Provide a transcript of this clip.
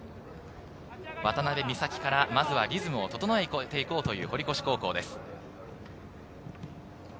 渡部美紗哉からリズムを整えていこうという堀越高校です。